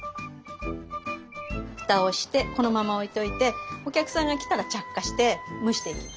フタをしてこのまま置いといてお客さんが来たら着火して蒸していきます。